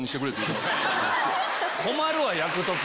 困るわ焼く時。